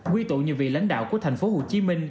quy tụ nhiều vị lãnh đạo của tp hcm